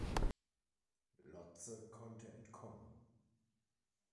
Lotze konnte entkommen.